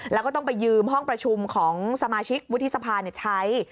แล้วก็ต้องไปยืมห้องประชุมของสมาชิกวุฒิสภาใช้